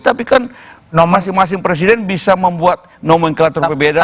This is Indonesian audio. tapi kan masing masing presiden bisa membuat nomenklatur berbeda